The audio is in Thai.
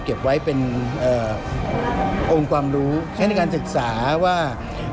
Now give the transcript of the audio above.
เก็บไว้เป็นองค์ความรู้ใช้ในการศึกษาว่า